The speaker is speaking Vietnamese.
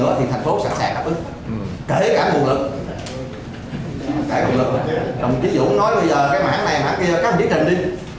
đồng chí vũ nói bây giờ cái mảng này mảng kia các bạn viết trên đi